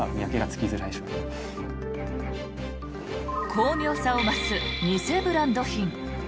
巧妙さを増す偽ブランド品。